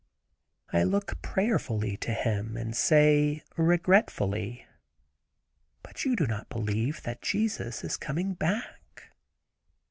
I look prayerfully to him and say, regretfully, "But you don't believe Jesus is coming back."